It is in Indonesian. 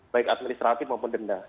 baik administratif maupun denda